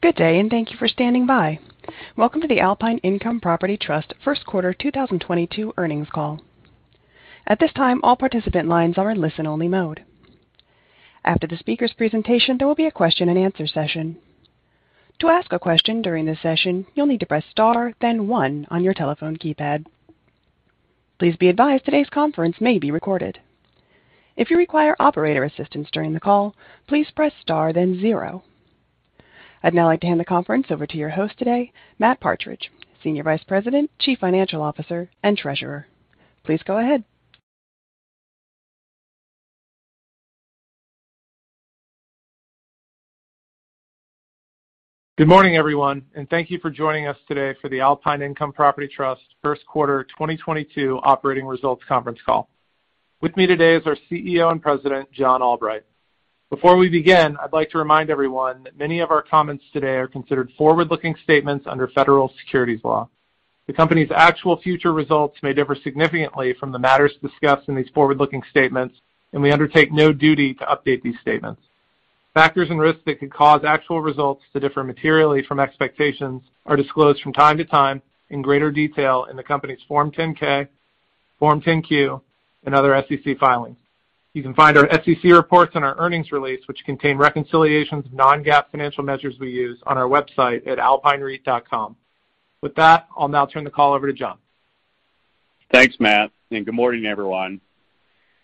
Good day, and thank you for standing by. Welcome to the Alpine Income Property Trust First Quarter 2022 Earnings Call. At this time, all participant lines are in listen only mode. After the speaker's presentation, there will be a Q&A session. To ask a question during this session, you'll need to press star then one on your telephone keypad. Please be advised today's conference may be recorded. If you require operator assistance during the call, please press star then zero. I'd now like to hand the conference over to your host today, Matt Partridge, Senior Vice President, Chief Financial Officer, and Treasurer. Please go ahead. Good morning, everyone, and thank you for joining us today for the Alpine Income Property Trust first quarter 2022 operating results conference call. With me today is our CEO and President, John Albright. Before we begin, I'd like to remind everyone that many of our comments today are considered forward-looking statements under federal securities law. The company's actual future results may differ significantly from the matters discussed in these forward-looking statements, and we undertake no duty to update these statements. Factors and risks that could cause actual results to differ materially from expectations are disclosed from time to time in greater detail in the company's Form 10-K, Form 10-Q, and other SEC filings. You can find our SEC reports and our earnings release, which contain reconciliations of non-GAAP financial measures we use on our website at alpinereit.com. With that, I'll now turn the call over to John. Thanks, Matt, and good morning, everyone.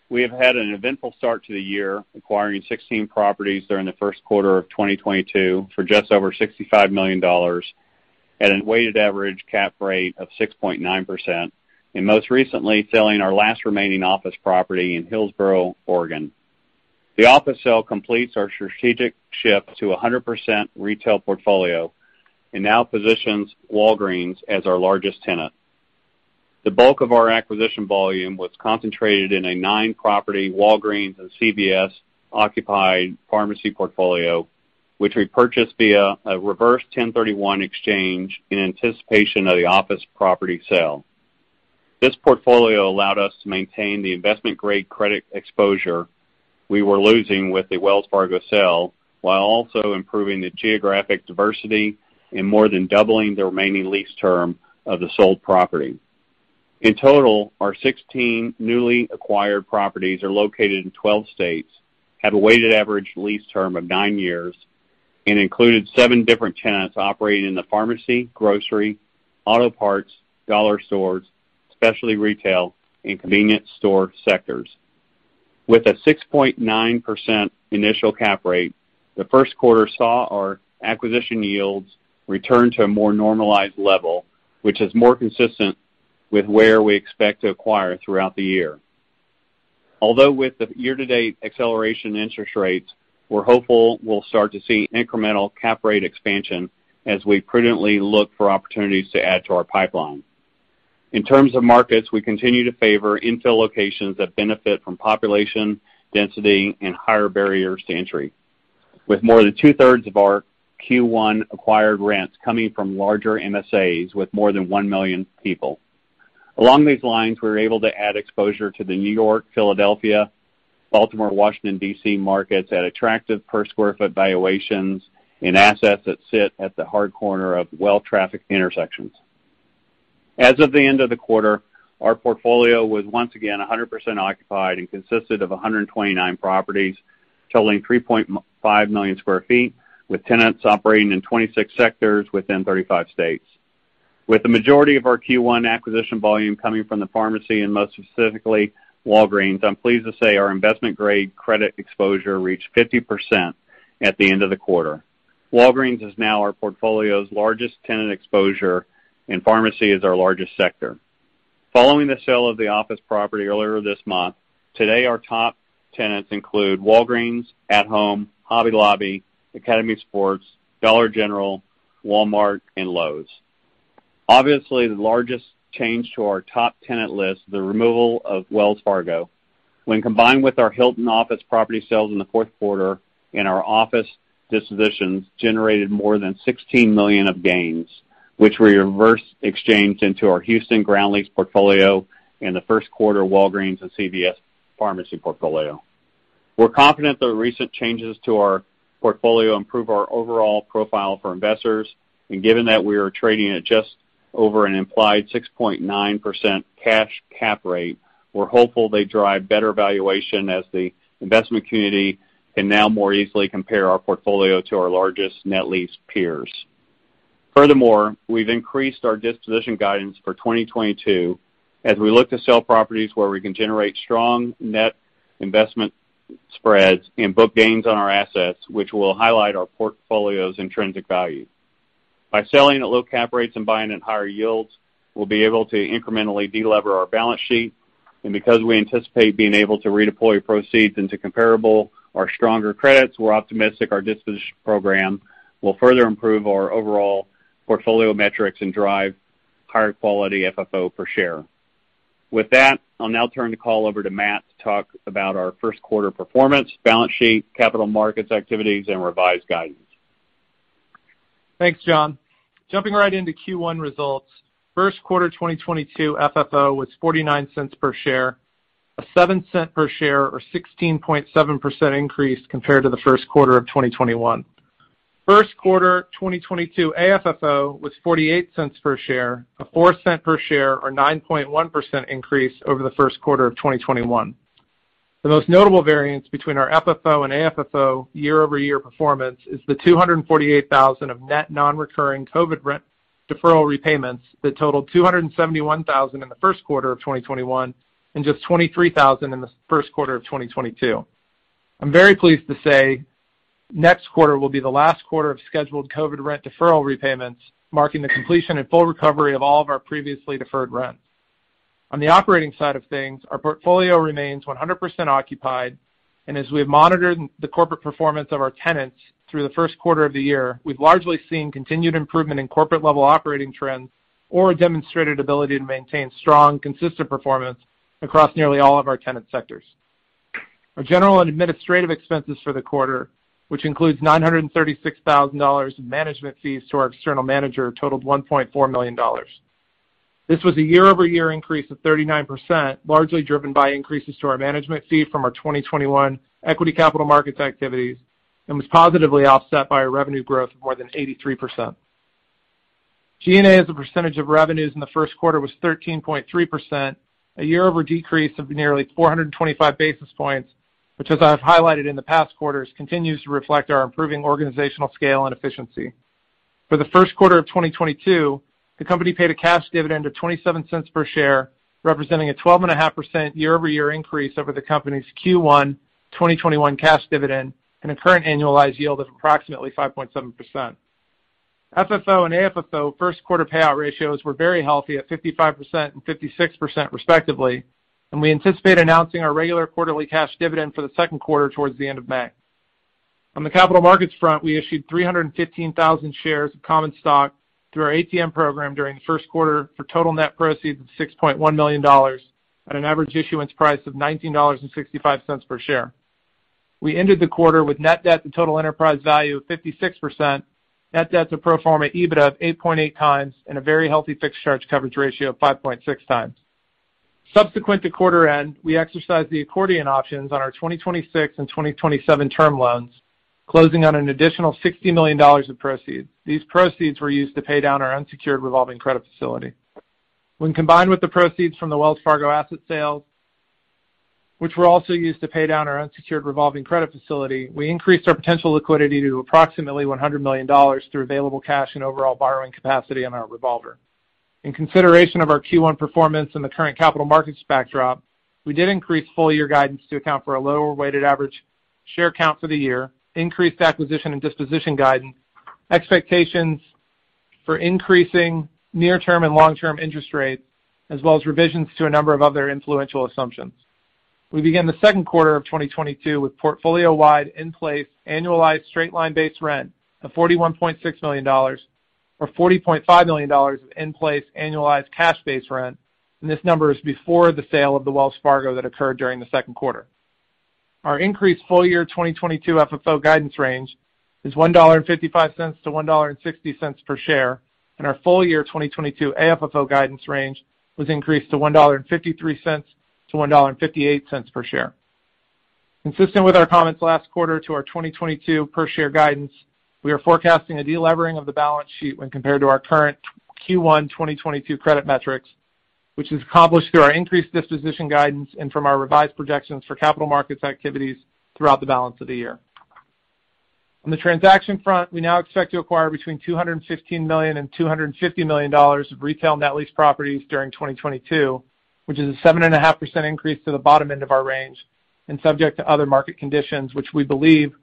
We have had an eventful start to the year, acquiring 16 properties during the first quarter of 2022 for just over $65 million at a weighted average cap rate of 6.9%, and most recently selling our last remaining office property in Hillsboro, Oregon. The office sale completes our strategic shift to a 100% retail portfolio and now positions Walgreens as our largest tenant. The bulk of our acquisition volume was concentrated in a nine-property Walgreens and CVS occupied pharmacy portfolio, which we purchased via a reverse 1031 exchange in anticipation of the office property sale. This portfolio allowed us to maintain the investment grade credit exposure we were losing with the Wells Fargo sale, while also improving the geographic diversity and more than doubling the remaining lease term of the sold property. In total, our 16 newly acquired properties are located in 12 states, have a weighted average lease term of nine years, and included seven different tenants operating in the pharmacy, grocery, auto parts, dollar stores, specialty retail, and convenience store sectors. With a 6.9% initial cap rate, the first quarter saw our acquisition yields return to a more normalized level, which is more consistent with where we expect to acquire throughout the year. Although with the year-to-date acceleration in interest rates, we're hopeful we'll start to see incremental cap rate expansion as we prudently look for opportunities to add to our pipeline. In terms of markets, we continue to favor infill locations that benefit from population density and higher barriers to entry. With more than two-thirds of our Q1 acquired rents coming from larger MSAs with more than 1 million people. Along these lines, we were able to add exposure to the New York, Philadelphia, Baltimore, Washington, D.C. markets at attractive per square foot valuations and assets that sit at the hard corner of well-trafficked intersections. As of the end of the quarter, our portfolio was once again 100% occupied and consisted of 129 properties totaling 3.5 million sq ft, with tenants operating in 26 sectors within 35 states. With the majority of our Q1 acquisition volume coming from the pharmacy and most specifically Walgreens, I'm pleased to say our investment grade credit exposure reached 50% at the end of the quarter. Walgreens is now our portfolio's largest tenant exposure, and pharmacy is our largest sector. Following the sale of the office property earlier this month, today our top tenants include Walgreens, At Home, Hobby Lobby, Academy Sports, Dollar General, Walmart, and Lowe's. Obviously, the largest change to our top tenant list, the removal of Wells Fargo, when combined with our Hilton office property sales in the fourth quarter and our office dispositions, generated more than $16 million of gains, which we reverse exchanged into our Houston ground lease portfolio in the first quarter Walgreens and CVS pharmacy portfolio. We're confident the recent changes to our portfolio improve our overall profile for investors, and given that we are trading at just over an implied 6.9% cash cap rate, we're hopeful they drive better valuation as the investment community can now more easily compare our portfolio to our largest net lease peers. Furthermore, we've increased our disposition guidance for 2022 as we look to sell properties where we can generate strong net investment spreads and book gains on our assets, which will highlight our portfolio's intrinsic value. By selling at low cap rates and buying at higher yields, we'll be able to incrementally de-lever our balance sheet, and because we anticipate being able to redeploy proceeds into comparable or stronger credits, we're optimistic our disposition program will further improve our overall portfolio metrics and drive higher quality FFO per share. With that, I'll now turn the call over to Matt to talk about our first quarter performance, balance sheet, capital markets activities, and revised guidance. Thanks, John. Jumping right into Q1 results. First quarter 2022 FFO was $0.49 per share. A $0.07 per share or 16.7% increase compared to the first quarter of 2021. First quarter 2022 AFFO was $0.48 per share, a $0.04 per share or 9.1% increase over the first quarter of 2021. The most notable variance between our FFO and AFFO year-over-year performance is the $248,000 of net non-recurring COVID rent deferral repayments that totaled $271,000 in the first quarter of 2021 and just $23,000 in the first quarter of 2022. I'm very pleased to say next quarter will be the last quarter of scheduled COVID rent deferral repayments, marking the completion and full recovery of all of our previously deferred rents. On the operating side of things, our portfolio remains 100% occupied, and as we have monitored the corporate performance of our tenants through the first quarter of the year, we've largely seen continued improvement in corporate-level operating trends or a demonstrated ability to maintain strong, consistent performance across nearly all of our tenant sectors. Our general and administrative expenses for the quarter, which includes $936,000 in management fees to our external manager, totaled $1.4 million. This was a year-over-year increase of 39%, largely driven by increases to our management fee from our 2021 equity capital markets activities, and was positively offset by a revenue growth of more than 83%. G&A as a percentage of revenues in the first quarter was 13.3%, a year-over-year decrease of nearly 425 basis points, which, as I've highlighted in the past quarters, continues to reflect our improving organizational scale and efficiency. For the first quarter of 2022, the company paid a cash dividend of $0.27 per share, representing a 12.5% year-over-year increase over the company's Q1 2021 cash dividend and a current annualized yield of approximately 5.7%. FFO and AFFO first quarter payout ratios were very healthy at 55% and 56% respectively, and we anticipate announcing our regular quarterly cash dividend for the second quarter towards the end of May. On the capital markets front, we issued 315,000 shares of common stock through our ATM program during the first quarter for total net proceeds of $6.1 million at an average issuance price of $19.65 per share. We ended the quarter with net debt to total enterprise value of 56%, net debt to pro forma EBITDA of 8.8x, and a very healthy fixed charge coverage ratio of 5.6x. Subsequent to quarter end, we exercised the accordion options on our 2026 and 2027 term loans, closing on an additional $60 million of proceeds. These proceeds were used to pay down our unsecured revolving credit facility. When combined with the proceeds from the Wells Fargo asset sale, which were also used to pay down our unsecured revolving credit facility, we increased our potential liquidity to approximately $100 million through available cash and overall borrowing capacity on our revolver. In consideration of our Q1 performance and the current capital markets backdrop, we did increase full year guidance to account for a lower weighted average share count for the year, increased acquisition and disposition guidance, expectations for increasing near-term and long-term interest rates, as well as revisions to a number of other influential assumptions. We began the second quarter of 2022 with portfolio-wide in-place annualized straight-line base rent of $41.6 million or $40.5 million of in-place annualized cash base rent, and this number is before the sale of the Wells Fargo that occurred during the second quarter. Our increased full year 2022 FFO guidance range is $1.55-$1.60 per share, and our full year 2022 AFFO guidance range was increased to $1.53-$1.58 per share. Consistent with our comments last quarter to our 2022 per share guidance, we are forecasting a de-levering of the balance sheet when compared to our current Q1 2022 credit metrics, which is accomplished through our increased disposition guidance and from our revised projections for capital markets activities throughout the balance of the year. On the transaction front, we now expect to acquire between $215 million and $250 million of retail net lease properties during 2022, which is a 7.5% increase to the bottom end of our range, and subject to other market conditions, which we believe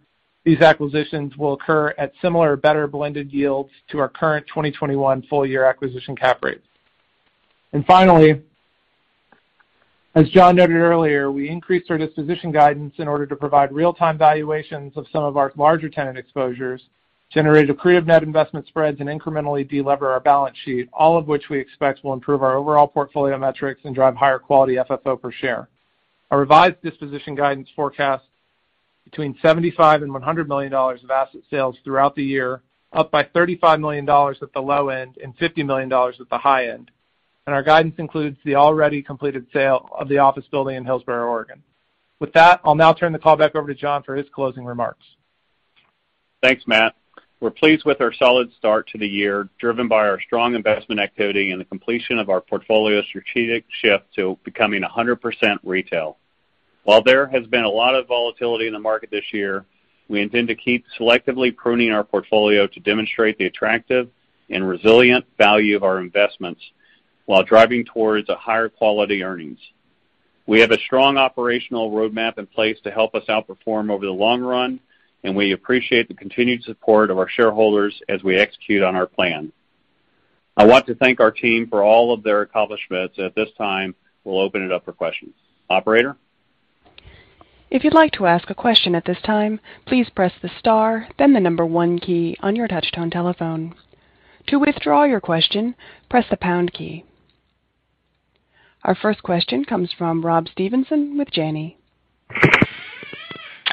these acquisitions will occur at similar or better blended yields to our current 2021 full year acquisition cap rates. Finally, as John noted earlier, we increased our disposition guidance in order to provide real-time valuations of some of our larger tenant exposures, generate accretive net investment spreads, and incrementally de-lever our balance sheet, all of which we expect will improve our overall portfolio metrics and drive higher quality FFO per share. Our revised disposition guidance forecast between $75 million and $100 million of asset sales throughout the year, up by $35 million at the low end and $50 million at the high end. Our guidance includes the already completed sale of the office building in Hillsboro, Oregon. With that, I'll now turn the call back over to John for his closing remarks. Thanks, Matt. We're pleased with our solid start to the year, driven by our strong investment activity and the completion of our portfolio strategic shift to becoming 100% retail. While there has been a lot of volatility in the market this year, we intend to keep selectively pruning our portfolio to demonstrate the attractive and resilient value of our investments while driving towards a higher quality earnings. We have a strong operational roadmap in place to help us outperform over the long run, and we appreciate the continued support of our shareholders as we execute on our plan. I want to thank our team for all of their accomplishments. At this time, we'll open it up for questions. Operator? Our first question comes from Rob Stevenson with Janney.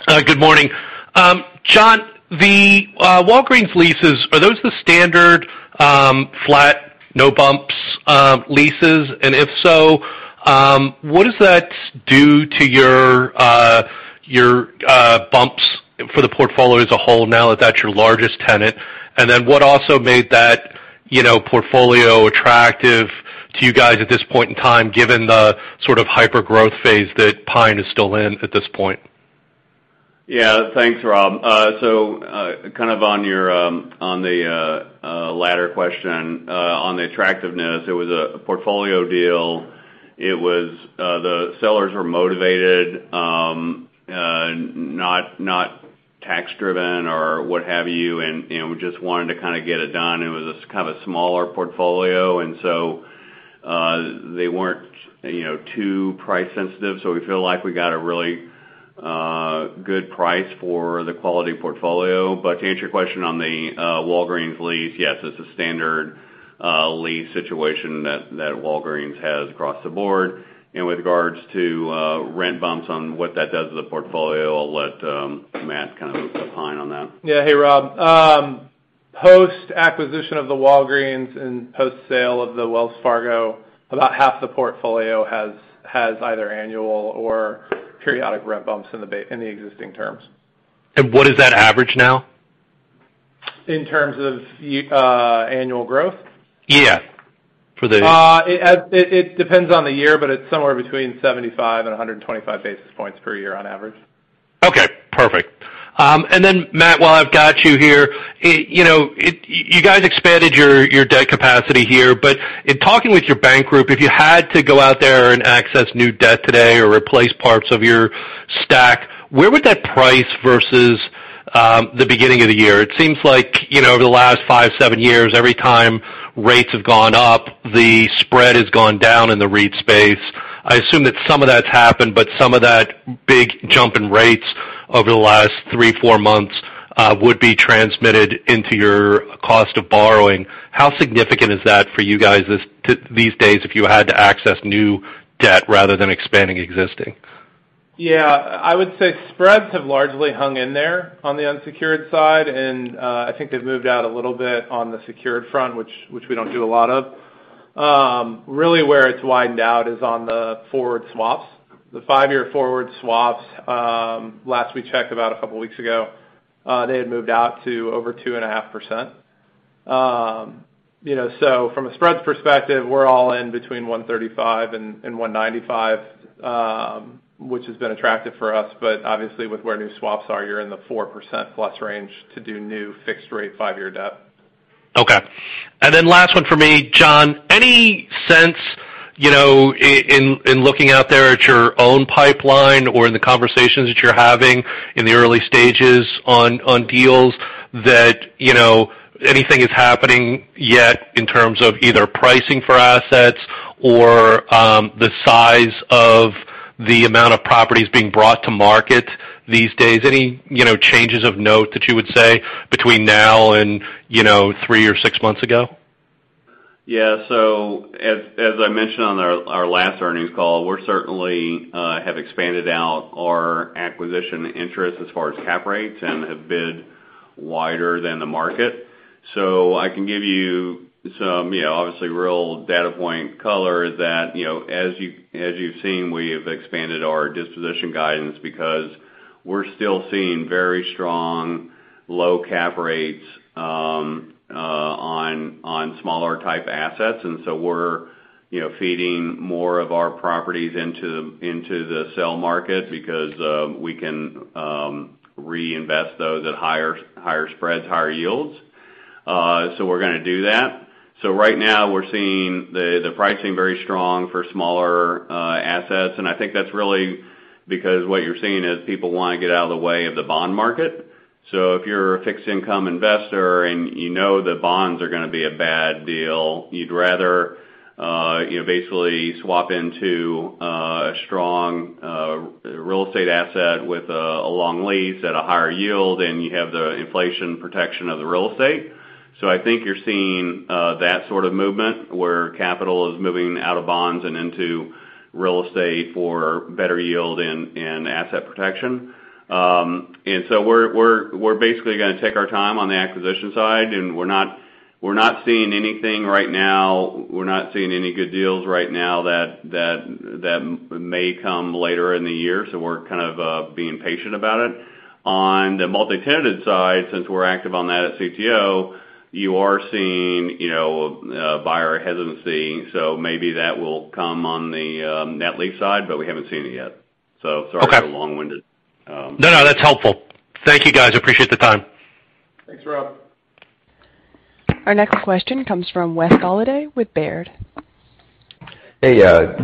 Good morning. John, the Walgreens leases, are those the standard flat, no bumps leases? If so, what does that do to your bumps for the portfolio as a whole now that that's your largest tenant? What also made that, you know, portfolio attractive to you guys at this point in time, given the sort of hyper-growth phase that PINE is still in at this point? Yeah. Thanks, Rob. So, kind of on your, on the latter question, on the attractiveness, it was a portfolio deal. It was the sellers were motivated, not tax driven or what have you and, you know, just wanted to kinda get it done. It was kind of a smaller portfolio. They weren't, you know, too price sensitive, so we feel like we got a really good price for the quality portfolio. To answer your question on the Walgreens lease, yes, it's a standard lease situation that Walgreens has across the board. With regards to rent bumps on what that does to the portfolio, I'll let Matt kind of opine on that. Yeah. Hey, Rob. Post-acquisition of the Walgreens and post-sale of the Wells Fargo, about half the portfolio has either annual or periodic rent bumps in the existing terms. What is that average now? In terms of annual growth? Yeah. It depends on the year, but it's somewhere between 75 and 125 basis points per year on average. Okay, perfect. Matt, while I've got you here, you know, you guys expanded your debt capacity here, but in talking with your bank group, if you had to go out there and access new debt today or replace parts of your stack, where would that price versus the beginning of the year? It seems like, you know, over the last five, seven years, every time rates have gone up, the spread has gone down in the REIT space. I assume that some of that's happened, but some of that big jump in rates over the last three, four months would be transmitted into your cost of borrowing. How significant is that for you guys as to these days if you had to access new debt rather than expanding existing? Yeah. I would say spreads have largely hung in there on the unsecured side, and I think they've moved out a little bit on the secured front, which we don't do a lot of. Really where it's widened out is on the forward swaps. The five-year forward swaps, last we checked about a couple weeks ago, they had moved out to over 2.5%. You know, so from a spreads perspective, we're all in between 135 and 195, which has been attractive for us. Obviously with where new swaps are, you're in the 4%+ range to do new fixed rate five-year debt. Okay. Last one for me, John. Any sense, you know, in looking out there at your own pipeline or in the conversations that you're having in the early stages on deals that, you know, anything is happening yet in terms of either pricing for assets or the size of the amount of properties being brought to market these days? Any, you know, changes of note that you would say between now and, you know, three or six months ago? As I mentioned on our last earnings call, we're certainly have expanded out our acquisition interest as far as cap rates and have bid wider than the market. I can give you some, you know, obviously real data point color that, you know, as you've seen, we have expanded our disposition guidance because we're still seeing very strong low cap rates on smaller type assets. We're, you know, feeding more of our properties into the sell market because we can reinvest those at higher spreads, higher yields. We're gonna do that. Right now we're seeing the pricing very strong for smaller assets, and I think that's really because what you're seeing is people wanna get out of the way of the bond market. If you're a fixed income investor and you know that bonds are gonna be a bad deal, you'd rather basically swap into a strong real estate asset with a long lease at a higher yield, and you have the inflation protection of the real estate. I think you're seeing that sort of movement where capital is moving out of bonds and into real estate for better yield and asset protection. We're basically gonna take our time on the acquisition side, and we're not seeing anything right now. We're not seeing any good deals right now that may come later in the year, so we're kind of being patient about it. On the multi-tenanted side, since we're active on that at CTO, you are seeing, you know, a buyer hesitancy, so maybe that will come on the net lease side, but we haven't seen it yet. Okay. For the long-winded. No, no, that's helpful. Thank you, guys. Appreciate the time. Thanks, Rob. Our next question comes from Wes Golladay with Baird. Hey.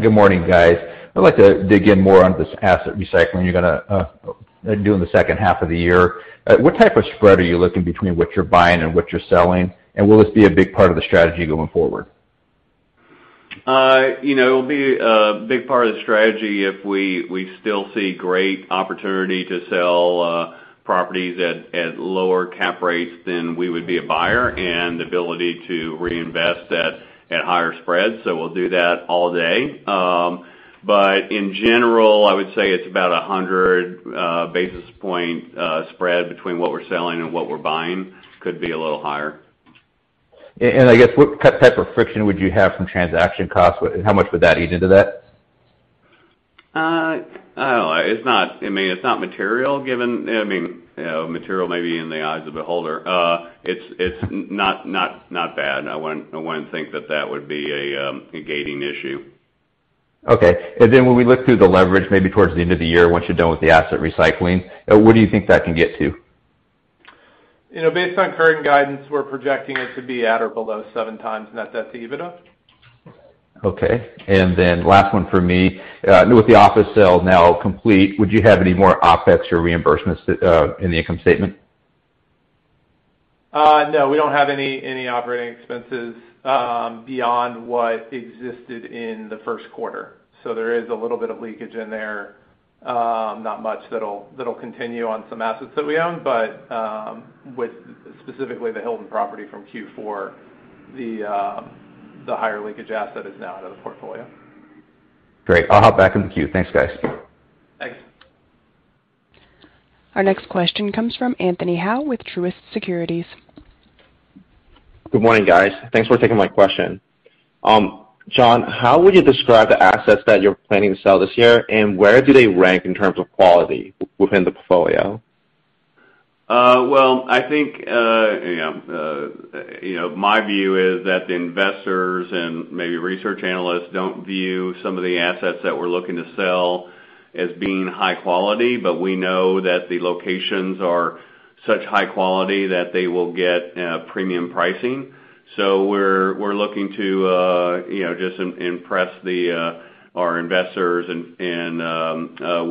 Good morning, guys. I'd like to dig in more on this asset recycling you're gonna do in the second half of the year. What type of spread are you looking between what you're buying and what you're selling? Will this be a big part of the strategy going forward? You know, it'll be a big part of the strategy if we still see great opportunity to sell properties at lower cap rates than we would be a buyer and the ability to reinvest at higher spreads. We'll do that all day. In general, I would say it's about 100 basis point spread between what we're selling and what we're buying. Could be a little higher. I guess what type of friction would you have from transaction costs? How much would that eat into that? I don't know. It's not. I mean, it's not material given. I mean, you know, material maybe in the eyes of the beholder. It's not bad. I wouldn't think that would be a gating issue. Okay. Then when we look through the leverage, maybe towards the end of the year, once you're done with the asset recycling, where do you think that can get to? You know, based on current guidance, we're projecting it to be at or below 7x net debt to EBITDA. Okay. Last one for me. With the office sale now complete, would you have any more OpEx or reimbursements in the income statement? No, we don't have any operating expenses beyond what existed in the first quarter. There is a little bit of leakage in there, not much, that'll continue on some assets that we own, but with specifically the Hilton property from Q4, the higher leakage asset is now out of the portfolio. Great. I'll hop back in the queue. Thanks, guys. Thanks. Our next question comes from Anthony Hau with Truist Securities. Good morning, guys. Thanks for taking my question. John, how would you describe the assets that you're planning to sell this year, and where do they rank in terms of quality within the portfolio? Well, I think you know my view is that the investors and maybe research analysts don't view some of the assets that we're looking to sell as being high quality. We know that the locations are such high quality that they will get premium pricing. We're looking to you know just impress our investors and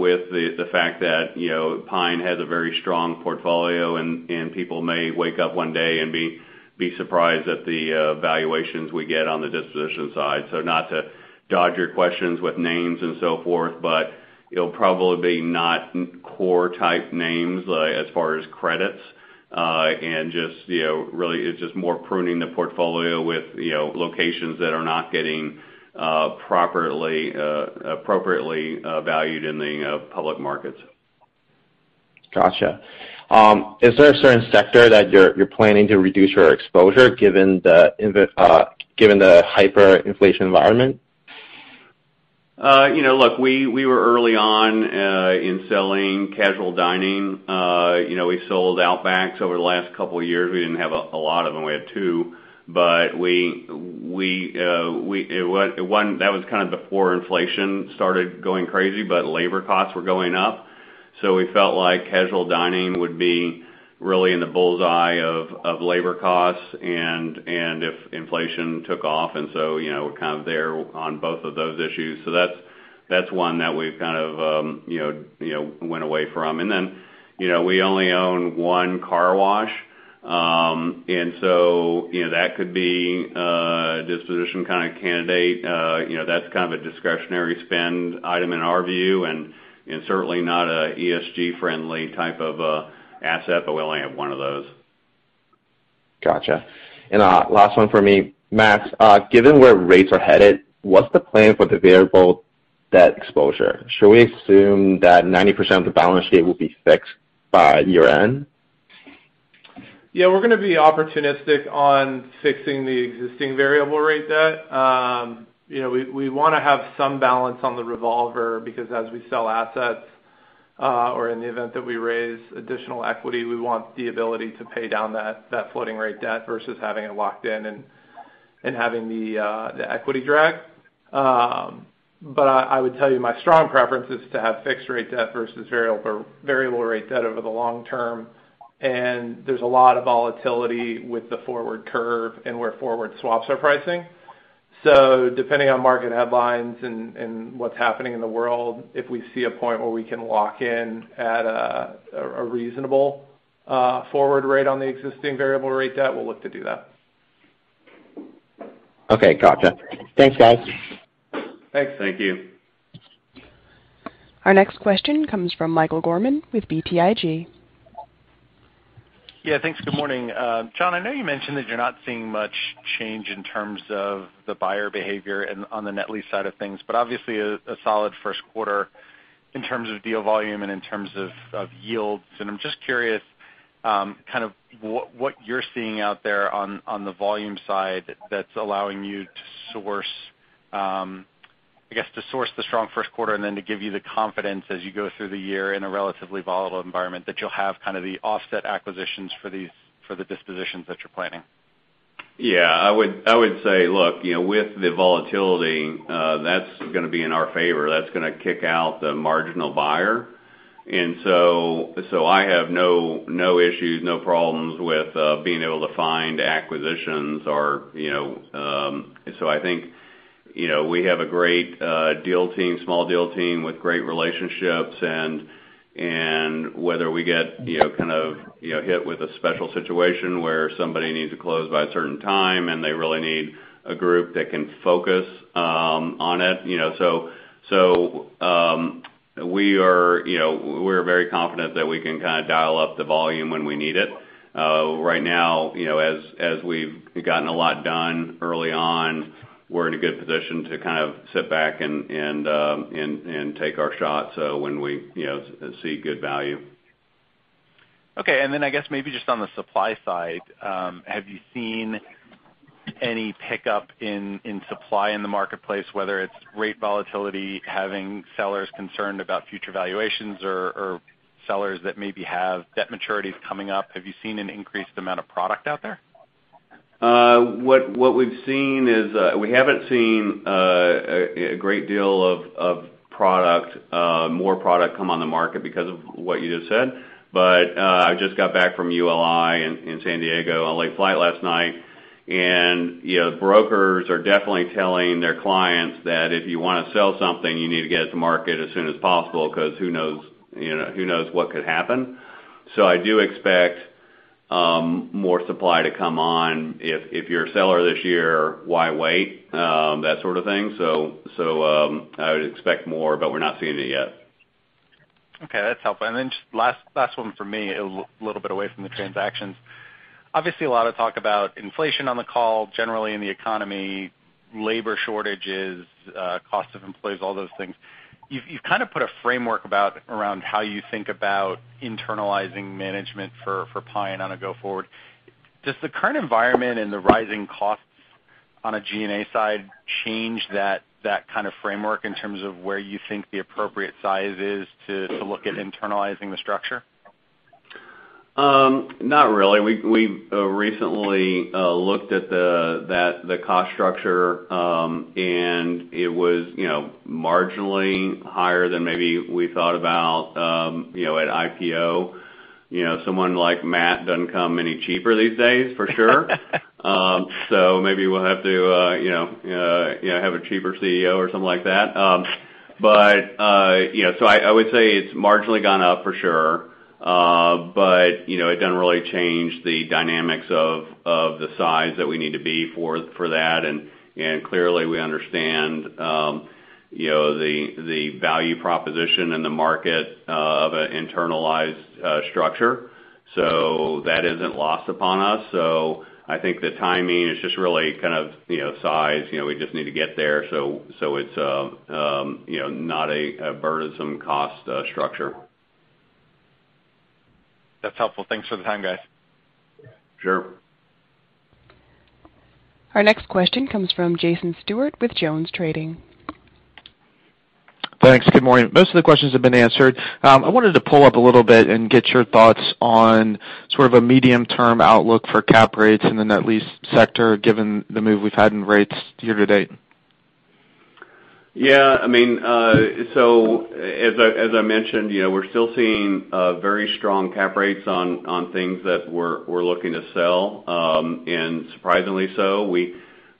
with the fact that you know PINE has a very strong portfolio and people may wake up one day and be surprised at the valuations we get on the disposition side. Not to dodge your questions with names and so forth, but it'll probably be not core type names as far as credits. Just, you know, really it's just more pruning the portfolio with, you know, locations that are not getting properly, appropriately valued in the public markets. Gotcha. Is there a certain sector that you're planning to reduce your exposure given the hyperinflation environment? You know, look, we were early on in selling casual dining. You know, we sold Outbacks over the last couple of years. We didn't have a lot of them. We had two. That was kind of before inflation started going crazy, but labor costs were going up. We felt like casual dining would be really in the bull's eye of labor costs and if inflation took off. You know, we're kind of there on both of those issues. That's one that we've kind of went away from. You know, we only own one car wash. You know, that could be a disposition kind of candidate. You know, that's kind of a discretionary spend item in our view, and certainly not an ESG-friendly type of asset, but we only have one of those. Gotcha. Last one for me. Matt, given where rates are headed, what's the plan for the variable debt exposure? Should we assume that 90% of the balance sheet will be fixed by year-end? Yeah, we're gonna be opportunistic on fixing the existing variable rate debt. You know, we wanna have some balance on the revolver because as we sell assets or in the event that we raise additional equity, we want the ability to pay down that floating rate debt versus having it locked in and having the equity drag. But I would tell you my strong preference is to have fixed rate debt versus variable rate debt over the long term. There's a lot of volatility with the forward curve and where forward swaps are pricing. Depending on market headlines and what's happening in the world, if we see a point where we can lock in at a reasonable forward rate on the existing variable rate debt, we'll look to do that. Okay. Gotcha. Thanks, guys. Thanks. Thank you. Our next question comes from Michael Gorman with BTIG. Yeah, thanks. Good morning. John, I know you mentioned that you're not seeing much change in terms of the buyer behavior and on the net lease side of things, but obviously a solid first quarter in terms of deal volume and in terms of yields. I'm just curious, kind of what you're seeing out there on the volume side that's allowing you to source the strong first quarter and then to give you the confidence as you go through the year in a relatively volatile environment, that you'll have kind of the offset acquisitions for the dispositions that you're planning. Yeah. I would say, look, you know, with the volatility, that's gonna be in our favor. That's gonna kick out the marginal buyer. I have no issues, no problems with being able to find acquisitions or, you know. So I think, you know, we have a great deal team, small deal team with great relationships and whether we get, you know, kind of, you know, hit with a special situation where somebody needs to close by a certain time, and they really need a group that can focus on it, you know. We are, you know, we're very confident that we can kind of dial up the volume when we need it. Right now, you know, as we've gotten a lot done early on, we're in a good position to kind of sit back and take our shot so when we, you know, see good value. Okay. I guess maybe just on the supply side, have you seen any pickup in supply in the marketplace, whether it's rate volatility, having sellers concerned about future valuations or sellers that maybe have debt maturities coming up? Have you seen an increased amount of product out there? What we've seen is we haven't seen a great deal of more product come on the market because of what you just said. I just got back from ULI in San Diego, a late flight last night. You know, brokers are definitely telling their clients that if you wanna sell something, you need to get it to market as soon as possible because who knows, you know, who knows what could happen. I do expect more supply to come on. If you're a seller this year, why wait? That sort of thing. I would expect more, but we're not seeing it yet. Okay. That's helpful. Just last one for me, a little bit away from the transactions. Obviously, a lot of talk about inflation on the call, generally in the economy, labor shortages, cost of employees, all those things. You've kind of put a framework around how you think about internalizing management for PINE on a go-forward. Does the current environment and the rising costs on a G&A side change that kind of framework in terms of where you think the appropriate size is to look at internalizing the structure? Not really. We've recently looked at the cost structure, and it was, you know, marginally higher than maybe we thought about, you know, at IPO. You know, someone like Matt doesn't come any cheaper these days, for sure. Maybe we'll have to, you know, have a cheaper CEO or something like that. You know, so I would say it's marginally gone up for sure. You know, it doesn't really change the dynamics of the size that we need to be for that. Clearly, we understand, you know, the value proposition in the market of an internalized structure. That isn't lost upon us. I think the timing is just really kind of, you know, size. You know, we just need to get there. It's, you know, not a burdensome cost structure. That's helpful. Thanks for the time, guys. Sure. Our next question comes from Jason Stewart with Jones Trading. Thanks. Good morning. Most of the questions have been answered. I wanted to pull up a little bit and get your thoughts on sort of a medium-term outlook for cap rates in the net lease sector, given the move we've had in rates year-to-date. I mean, as I mentioned, you know, we're still seeing very strong cap rates on things that we're looking to sell, and surprisingly so.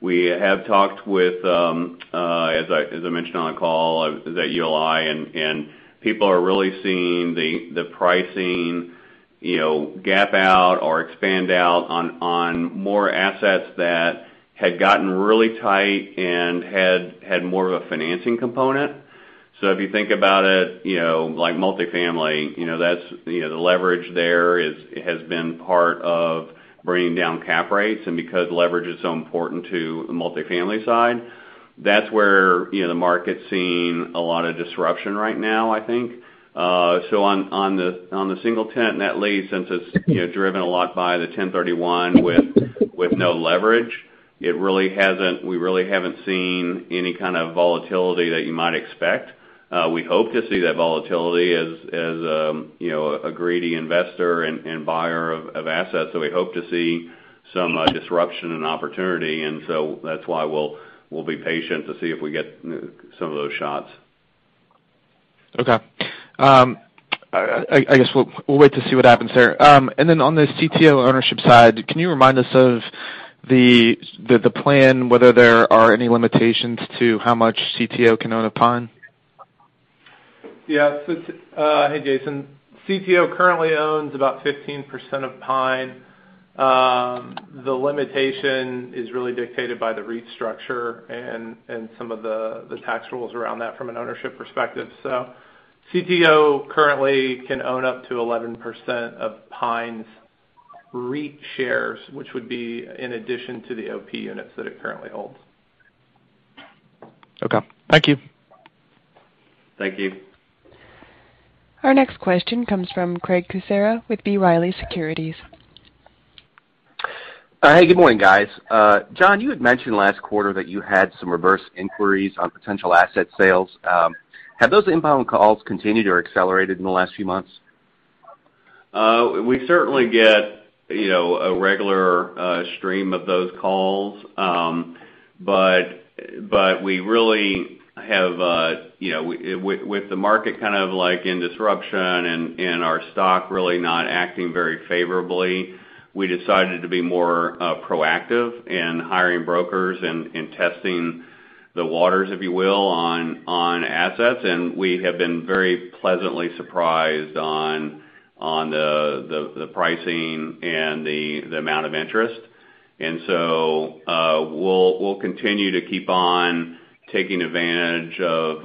We have talked with, as I mentioned on the call, I was at ULI, and people are really seeing the pricing, you know, gap out or expand out on more assets that had gotten really tight and had more of a financing component. If you think about it, you know, like multifamily, you know, that's, you know, the leverage there has been part of bringing down cap rates. Because leverage is so important to the multifamily side, that's where, you know, the market's seeing a lot of disruption right now, I think. On the single-tenant net lease, since it's, you know, driven a lot by the 1031 with no leverage, we really haven't seen any kind of volatility that you might expect. We hope to see that volatility as you know a greedy investor and buyer of assets. We hope to see some disruption and opportunity. That's why we'll be patient to see if we get some of those shots. Okay. I guess we'll wait to see what happens there. On the CTO ownership side, can you remind us of the plan, whether there are any limitations to how much CTO can own of PINE? Hey, Jason. CTO currently owns about 15% of PINE. The limitation is really dictated by the REIT structure and some of the tax rules around that from an ownership perspective. CTO currently can own up to 11% of PINE's REIT shares, which would be in addition to the OP units that it currently holds. Okay. Thank you. Thank you. Our next question comes from Craig Kucera with B. Riley Securities. Hey, good morning, guys. John, you had mentioned last quarter that you had some reverse inquiries on potential asset sales. Have those inbound calls continued or accelerated in the last few months? We certainly get, you know, a regular stream of those calls. We really have, you know, with the market kind of like in disruption and our stock really not acting very favorably, we decided to be more proactive in hiring brokers and testing the waters, if you will, on assets. We have been very pleasantly surprised on the pricing and the amount of interest. We'll continue to keep on taking advantage of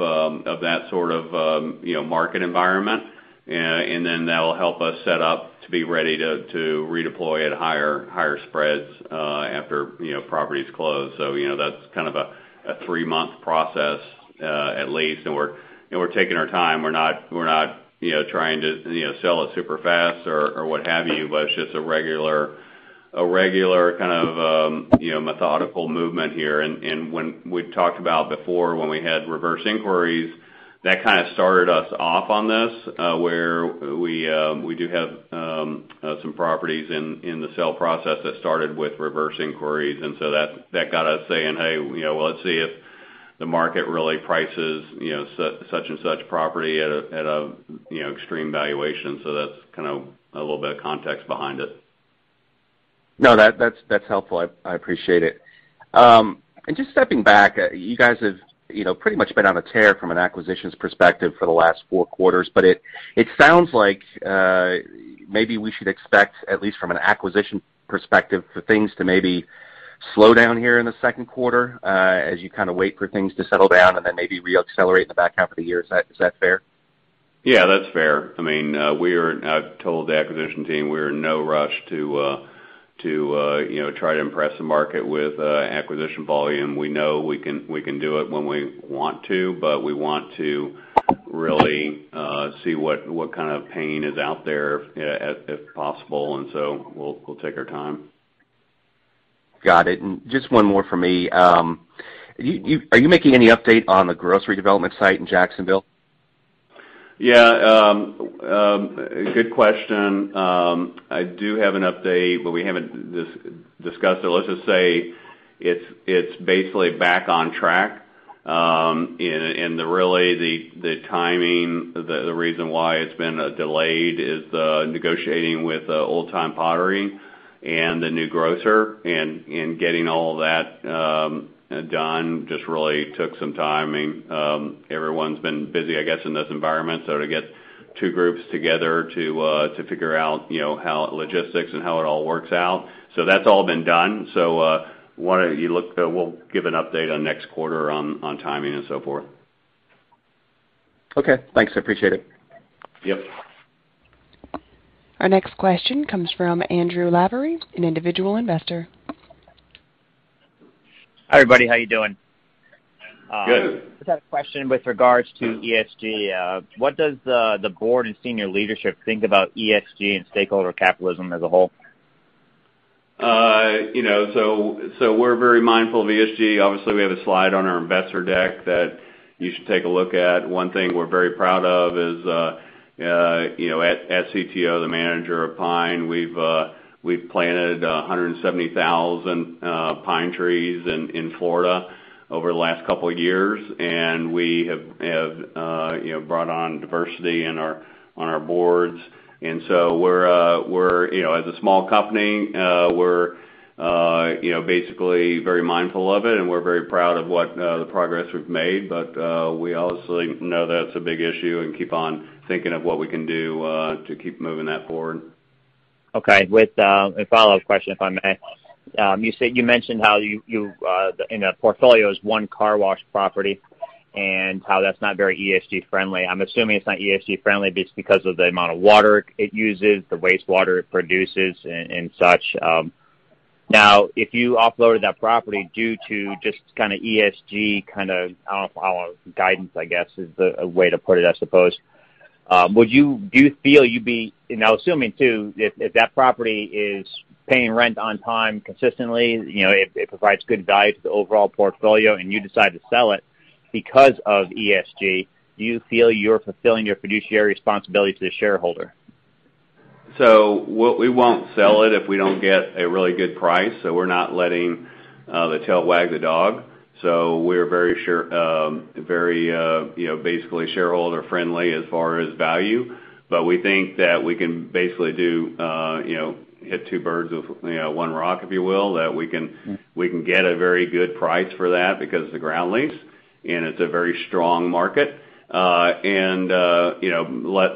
that sort of, you know, market environment. Then that will help us set up to be ready to redeploy at higher spreads after, you know, properties close. You know, that's kind of a three-month process at least. We're, you know, taking our time. We're not, you know, trying to, you know, sell it super fast or what have you, but it's just a regular kind of, you know, methodical movement here. When we've talked about before when we had reverse inquiries, that kind of started us off on this where we do have some properties in the sell process that started with reverse inquiries. That got us saying, "Hey, you know, well, let's see if the market really prices, you know, such and such property at a, you know, extreme valuation." That's kinda a little bit of context behind it. No, that's helpful. I appreciate it. Just stepping back, you guys have, you know, pretty much been on a tear from an acquisitions perspective for the last four quarters. It sounds like maybe we should expect, at least from an acquisition perspective, for things to maybe slow down here in the second quarter, as you kind of wait for things to settle down and then maybe re-accelerate in the back half of the year. Is that fair? Yeah, that's fair. I mean, I've told the acquisition team we're in no rush to, you know, try to impress the market with acquisition volume. We know we can do it when we want to, but we want to really see what kind of pain is out there, if possible, and so we'll take our time. Got it. Just one more from me. Are you making any update on the grocery development site in Jacksonville? Yeah, good question. I do have an update, but we haven't discussed it. Let's just say it's basically back on track. The real timing, the reason why it's been delayed is the negotiating with Old Time Pottery and the new grocer and getting all that done just really took some timing. Everyone's been busy, I guess, in this environment. To get two groups together to figure out you know how logistics and how it all works out. That's all been done. Why don't you look, we'll give an update on next quarter on timing and so forth. Okay. Thanks, I appreciate it. Yep. Our next question comes from Andrew Lavery, an individual investor. Hi, everybody. How you doing? Good. Just had a question with regards to ESG. What does the board and senior leadership think about ESG and stakeholder capitalism as a whole? We're very mindful of ESG. Obviously, we have a slide on our investor deck that you should take a look at. One thing we're very proud of is you know at CTO the manager of PINE we've planted 170,000 pine trees in Florida over the last couple of years and we have you know brought on diversity on our boards. We're you know as a small company we're you know basically very mindful of it and we're very proud of what the progress we've made. We obviously know that it's a big issue and keep on thinking of what we can do to keep moving that forward. Okay. With a follow-up question, if I may. You said you mentioned how in the portfolio is one car wash property and how that's not very ESG friendly. I'm assuming it's not ESG friendly just because of the amount of water it uses, the wastewater it produces and such. Now, if you offloaded that property due to just kinda ESG kinda, I don't know, guidance, I guess, is a way to put it, I suppose. Do you feel you'd be assuming too, if that property is paying rent on time consistently, you know, it provides good value to the overall portfolio and you decide to sell it because of ESG, do you feel you're fulfilling your fiduciary responsibility to the shareholder? We won't sell it if we don't get a really good price, we're not letting the tail wag the dog. We're very sure, you know, basically shareholder friendly as far as value. We think that we can basically do, you know, hit two birds with, you know, one stone, if you will. That we can, we can get a very good price for that because of the ground lease, and it's a very strong market. You know,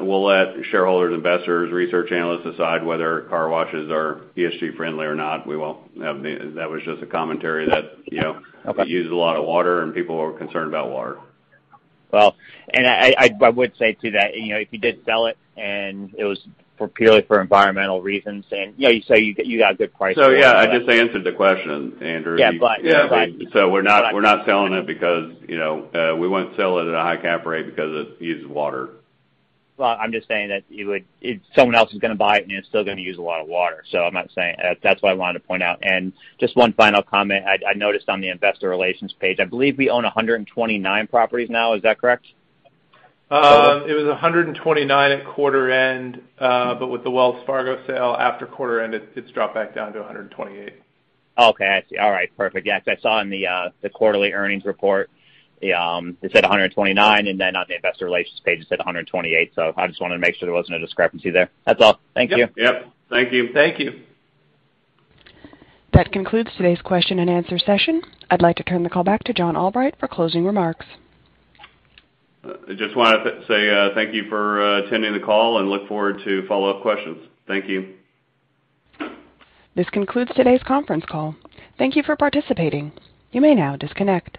we'll let shareholders, investors, research analysts decide whether car washes are ESG friendly or not. That was just a commentary that, you know. Okay. It uses a lot of water, and people are concerned about water. Well, I would say to that, you know, if you did sell it and it was for purely environmental reasons and, you know, you say you got a good price for it, but- Yeah, I just answered the question, Andrew. Yeah, but- Yeah. But- We're not selling it because, you know, we wouldn't sell it at a high cap rate because it uses water. Well, I'm just saying that you would. If someone else is gonna buy it, and it's still gonna use a lot of water. I'm not saying that's what I wanted to point out. Just one final comment. I noticed on the investor relations page, I believe we own 129 properties now. Is that correct? It was 129 at quarter end. With the Wells Fargo sale after quarter end, it's dropped back down to 128. Okay. I see. All right. Perfect. Yeah, 'cause I saw in the quarterly earnings report, it said 129, and then on the investor relations page, it said 128. I just wanted to make sure there wasn't a discrepancy there. That's all. Thank you. Yep. Thank you. That concludes today's Q&A session. I'd like to turn the call back to John Albright for closing remarks. I just wanna say, thank you for attending the call and look forward to follow-up questions. Thank you. This concludes today's conference call. Thank you for participating. You may now disconnect.